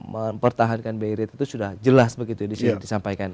mempertahankan bei rate itu sudah jelas begitu ya disampaikan